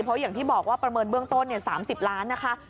เพราะอย่างที่บอกว่าประเมินเบื้องต้น๓๐ล้านนะคะ